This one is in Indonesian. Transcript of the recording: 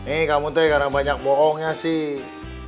ini kamu tuh karena banyak bohongnya sih